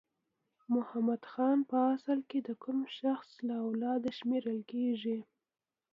محمد خان په اصل کې د کوم شخص له اولاده شمیرل کیږي؟